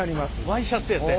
ワイシャツやて。